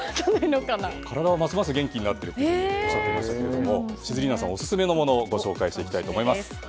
体はますます元気になっているとおっしゃっていましたけどシズリーナさんオススメのものをご紹介していきたいと思います。